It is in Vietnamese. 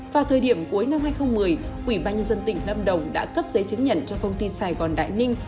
vào thời điểm cuối năm hai nghìn một mươi ủy ban nhân dân tỉnh lâm đồng đã cấp giấy chứng nhận cho công ty sài gòn đại ninh